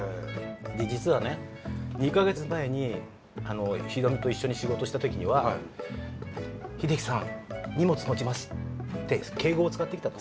で実はね２か月前にひろみと一緒に仕事した時には「秀樹さん荷物持ちます」って敬語を使ってきたと。